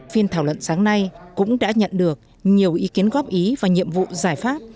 phiên thảo luận sáng nay cũng đã nhận được nhiều ý kiến góp ý và nhiệm vụ giải pháp